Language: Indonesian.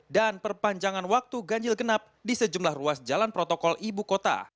dan perpanjangan waktu ganjil genap di sejumlah ruas jalan protokol ibu kota